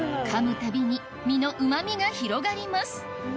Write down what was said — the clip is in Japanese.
たびに身のうま味が広がります